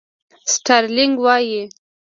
سټارلېنک وایي.